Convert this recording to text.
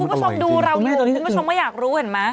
มีคนก็ชมดูเราอีกมีคนก็ชมว่าอยากรู้เห็นมั้ย